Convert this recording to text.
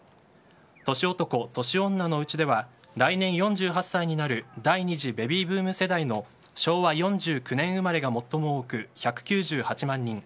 年男・年女のうちでは来年４８歳になる第２次ベビーブーム世代の昭和４９年生まれが最も多く１９８万人。